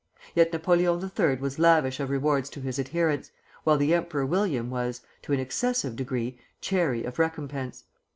Yet Napoleon III. was lavish of rewards to his adherents, while the Emperor William was, to an excessive degree, chary of recompense.